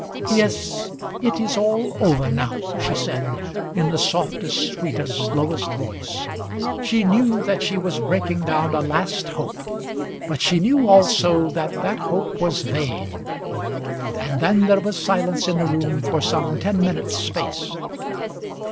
"Yes; it is all over now," she said in the softest, sweetest, lowest voice. She knew that she was breaking down a last hope, but she knew also that that hope was vain. And then there was silence in the room for some ten minutes' space.